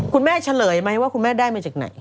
เฉลยไหมว่าคุณแม่ได้มาจากไหน